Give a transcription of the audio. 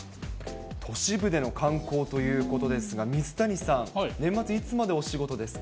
都市部での観光ということですが、水谷さん、年末、いつまでお仕事ですか？